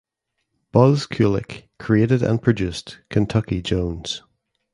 Buzz Kulik created and produced "Kentucky Jones".